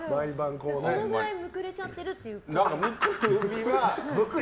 そのくらいむくれちゃってるってことですか。